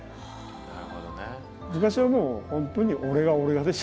なるほどね。